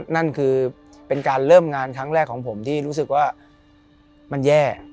นั่นคือเป็นการเริ่มงานครั้งแรกของผมที่รู้สึกว่ามันแย่